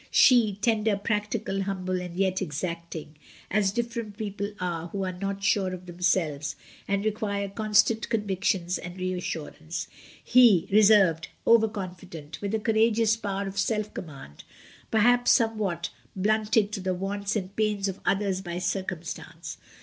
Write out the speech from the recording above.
She, tender, practical, humble and yet exacting, as diffident people are who are not sure of themselves and re quire constant convictions and reassurance. He, reserved, over confident, with a courageous power of self command, perhaps somewhat blunted to the wants and pains of others by circumstance.